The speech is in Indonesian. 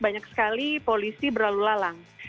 ada juga polisi berlalu lalang